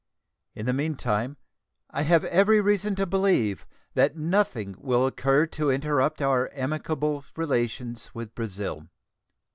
In the meantime, I have every reason to believe that nothing will occur to interrupt our amicable relations with Brazil.